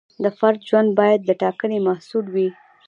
د فرد ژوند باید د ټاکنې محصول وي.